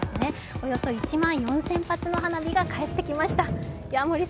およそ１万４０００発の花火が帰ってきました。